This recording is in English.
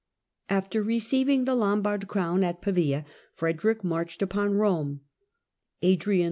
After receiving the Lombard crown at Pavia, Frederick marched upon Rome. Adrian IV.